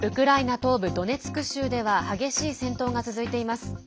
東部ドネツク州では激しい戦闘が続いています。